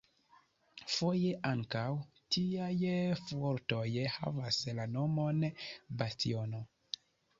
Foje ankaŭ tiaj fuortoj havas la nomon "bastiono".